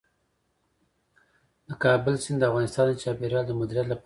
د کابل سیند د افغانستان د چاپیریال د مدیریت لپاره مهم دی.